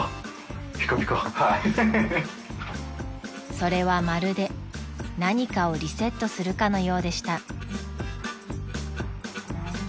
［それはまるで何かをリセットするかのようでした］